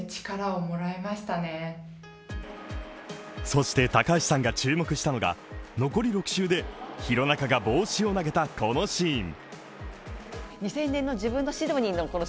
そして、高橋さんが注目したのが残り６周で廣中が帽子を投げたこのシーン。